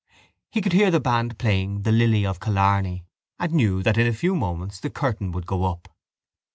He could hear the band playing The Lily of Killarney and knew that in a few moments the curtain would go up.